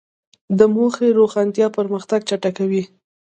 د موخې روښانتیا پرمختګ چټکوي.